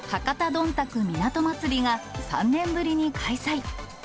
どんたく港まつりが３年ぶりに開催。